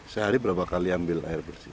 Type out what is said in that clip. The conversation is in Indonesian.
sehari berapa kali ambil air bersih